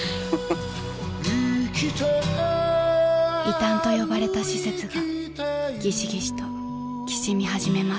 ［異端と呼ばれた施設がギシギシときしみ始めます］